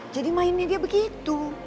jadi mainnya dia begitu